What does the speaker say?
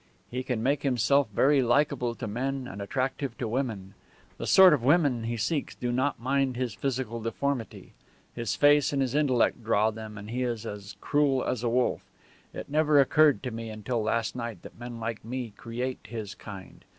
He can make himself very likable to men and attractive to women. The sort of women he seeks do not mind his physical deformity. His face and his intellect draw them, and he is as cruel as a wolf. It never occurred to me until last night that men like me create his kind.